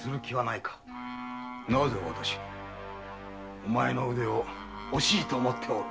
お前の腕を惜しいと思っておる。